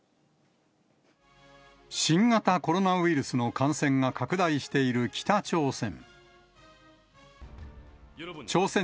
新型コロナウイルスの感染が拡大している北朝鮮。